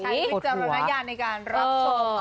วิจารณญาณในการรับชม